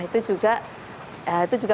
nah itu juga